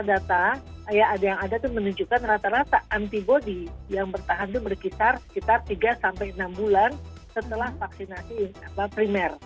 data yang ada itu menunjukkan rata rata antibody yang bertahan itu berkisar sekitar tiga sampai enam bulan setelah vaksinasi primer